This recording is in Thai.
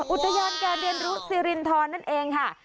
อุตยนแก่เดียนรุสิรินทรนั่นเองค่ะ